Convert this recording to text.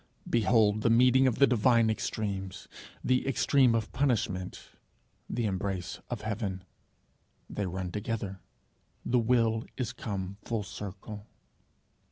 Behold the meeting of the divine extremes the extreme of punishment, the embrace of heaven! They run together; 'the wheel is come full circle.'